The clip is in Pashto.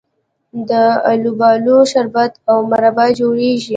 د الوبالو شربت او مربا جوړیږي.